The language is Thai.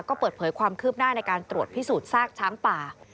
ก็เปิดเผยความคืบหน้าในการตรวจพิสูจน์ซากช้างป่า